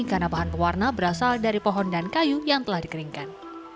karena bahan pewarna berasal dari pohon dan kayu yang telah dikeringkan